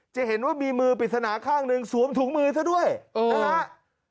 จะเห็นว่ามีมือปริศนาข้างหนึ่งสวมถุงมือซะด้วยนะฮะ